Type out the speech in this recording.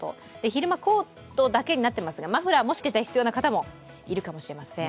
昼間、コートだけになっていますがマフラーが必要な方もいるかもしれません。